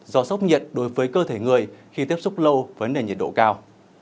do sốc nhiệt đối với cơ thể người khi tiếp xúc lâu với nền nhiệt độ cao